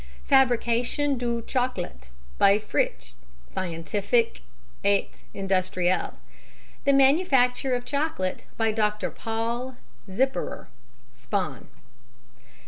Fabrication du Chocolat, by Fritsch (Scientifique et Industrielle). The Manufacture of Chocolate, by Dr. Paul Zipperer (Spon).